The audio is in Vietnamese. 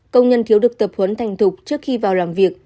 công nhân thiếu được tập huấn thành thục trước khi vào làm việc